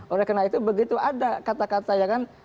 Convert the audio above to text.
oleh karena itu begitu ada kata kata ya kan